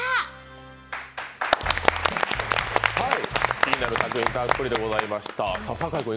気になる作品たっぷりでございました。